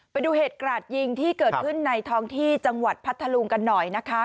ไปดูเหตุกราดยิงที่เกิดขึ้นในท้องที่จังหวัดพัทธลุงกันหน่อยนะคะ